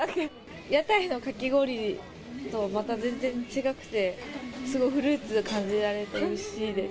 屋台のかき氷とはまた全然違くて、すごいフルーツが感じられておいしいです。